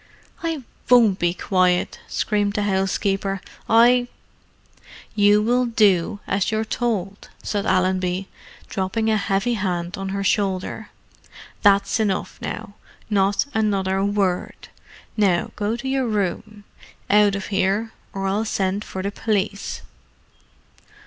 "I won't be quiet!" screamed the housekeeper. "I——" "You will do as you're told," said Allenby, dropping a heavy hand on her shoulder. "That's enough, now: not another word. Now go to your room. Out of 'ere, or I'll send for the police."